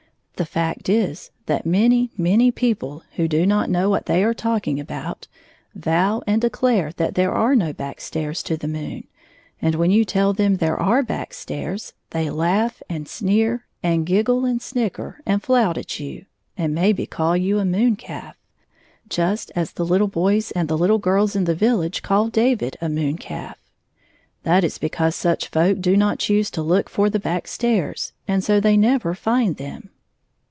The fact is, that many, many people, who do not know what they are talking about, vow and declare that there are no back stairs to the moon, and when you tell them there are back stairs, they laugh and sneer, and giggle and snicker and flout at you, and, maybe, call you a moon calf, just as the little boys and the little girls in the village called David a moon calf. That is because such folk do not choose to look for the back stairs, and so they never find them.